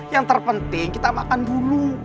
yang terpenting kita makan dulu